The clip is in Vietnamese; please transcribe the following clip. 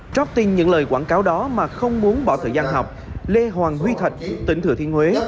trước tin những lời quảng cáo đó mà không muốn bỏ thời gian học lê hoàng huy thạch tỉnh thừa thiên huế